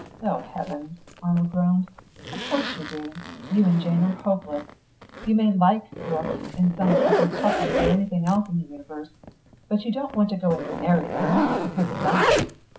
"Oh, heavens," Arnold groaned. "Of course you do. You and Jane are hopeless. You may like brooks in sunlight or puppies or anything else in the universe but you don't want to go and marry them because of that."